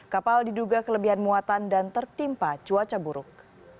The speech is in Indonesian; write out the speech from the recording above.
kapal diduga kelebihan muatan dan tertimpa cuaca buruk